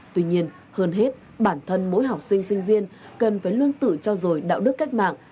tuy nhiên hơn hết bản thân mỗi học sinh sinh viên cần phải lương tử cho rồi đạo đức cách mạng